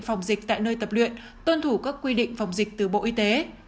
phòng dịch tại nơi tập luyện tuân thủ các quy định phòng dịch từ bộ y tế